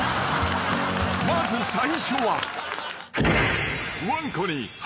［まず最初は］